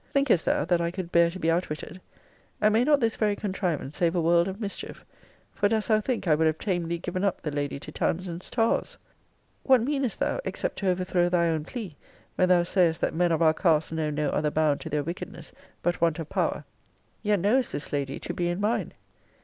Thinkest thou that I could bear to be outwitted? And may not this very contrivance save a world of mischief? for dost thou think I would have tamely given up the lady to Townsend's tars? What meanest thou, except to overthrow thy own plea, when thou sayest, that men of our cast know no other bound to their wickedness, but want of power; yet knowest this lady to be in mine?